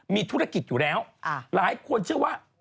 มีธุรกิจอยู่แล้วหลายคนเชื่อว่า